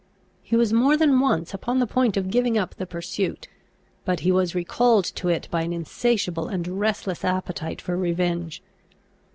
He was more than once upon the point of giving up the pursuit; but he was recalled to it by an insatiable and restless appetite for revenge.